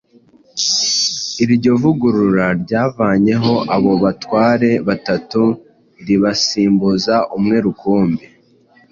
Iryo vugurura ryavanyeho abo batware batatu ribasimbuza umwe rukumbi